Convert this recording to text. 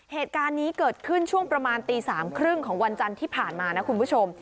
เหตุการณ์นี้เกิดขึ้นช่วงประมาณตี๓๓๐ของวันจันทร์ที่ผ่านมานะคุณผู้ชม